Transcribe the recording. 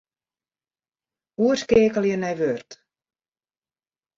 Oerskeakelje nei Word.